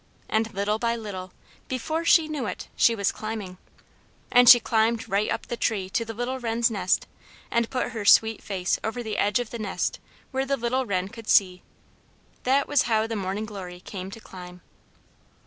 And little by little, before she knew it, she was climbing. And she climbed right up the tree to the little Wren's nest, and put her sweet face over the edge of the nest, where the little Wren could see. That was how the Morning Glory came to climb.